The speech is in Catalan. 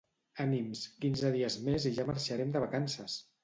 Ànims, quinze dies més i ja marxarem de vacances!